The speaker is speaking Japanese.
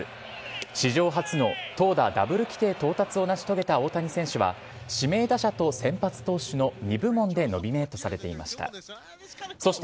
史上初の投打ダブル規定到達を成し遂げた大谷選手は、指名打者と先発投手の２部門でノミネートされていました。